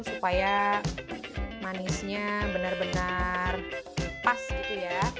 supaya manisnya benar benar pas gitu ya